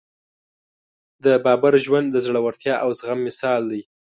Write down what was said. د بابر ژوند د زړورتیا او زغم مثال دی.